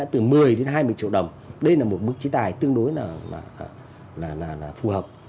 một mươi hai mươi triệu đồng đây là một mức trí tài tương đối là phù hợp